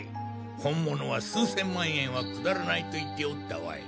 本物は数千万円はくだらないと言っておったわい！